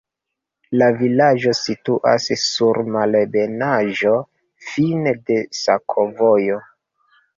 La vilaĝo situas sur malebenaĵo, fine de sakovojo.